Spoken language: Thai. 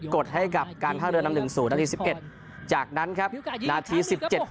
กดให้กับการท่าเรือนำหนึ่งสู่นาทีสิบเอ็ดจากนั้นครับนาทีสิบเจ็ด